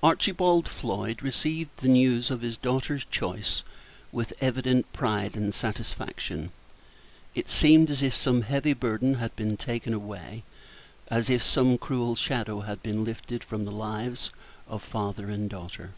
Archibald Floyd received the news of his daughter's choice with evident pride and satisfaction. It seemed as if some heavy burden had been taken away, as if some cruel shadow had been lifted from the lives of father and daughter.